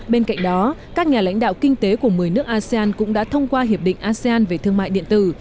bên cạnh đó các nhà lãnh đạo kinh tế của một mươi nước asean cũng đã thông qua hiệp định asean về thương mại điện tử